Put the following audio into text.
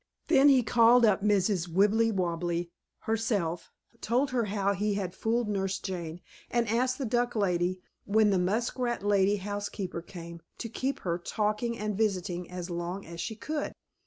Then he called up Mrs. Wibblewobble herself, told her how he had fooled Nurse Jane, and asked the duck lady, when the muskrat lady housekeeper came, to keep her talking and visiting as long as she could.